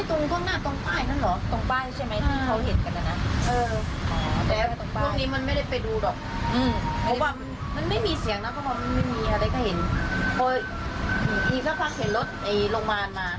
อืม